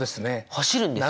走るんですか？